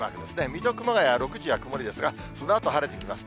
水戸、熊谷は６時は曇りですが、そのあと晴れてきます。